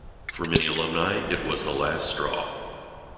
For many alumni, it was the last straw.